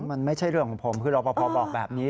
มันไม่ใช่เรื่องของผมคือรอปภบอกแบบนี้